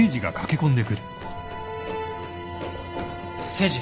誠治。